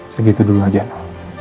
segitu dulu aja no